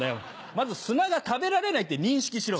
まず砂が食べられないって認識しろ。